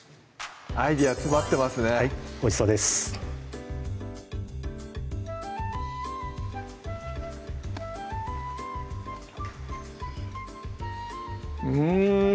アイデア詰まってますねはいおいしそうですうん